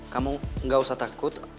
kamu gak usah takut